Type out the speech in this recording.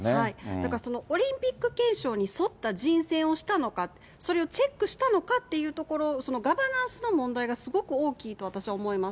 だから、そのオリンピック憲章に沿った人選をしたのか、それをチェックしたのかっていうところ、ガバナンスの問題がすごく大きいと、私は思います。